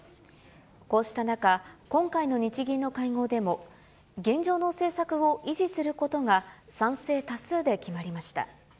こうした中、今回の日銀の会合でも、現状の政策を維持することが賛成多数で決まりました。